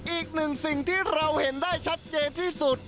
อีกหนึ่งสิ่งที่เราเห็นได้ชัดเจนที่สุด